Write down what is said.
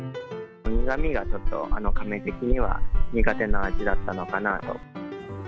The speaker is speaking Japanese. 苦みがちょっと、あのカメ的には苦手な味だったのかなと。